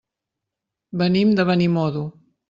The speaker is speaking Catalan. Venim de Benimodo.